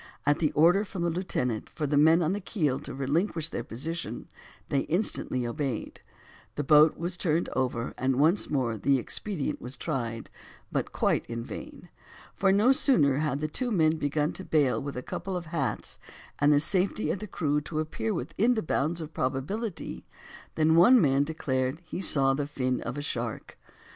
At the order from the lieutenant for the men on the keel to relinquish their position they instantly obeyed, the boat was turned over and once more the expedient was tried but quite in vain; for no sooner had the two men begun to bail with a couple of hats, and the safety of the crew to appear within the bounds of probability, than one man declared he saw the fin of a shark.